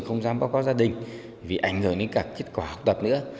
không dám báo cáo gia đình vì ảnh hưởng đến cả kết quả học tập nữa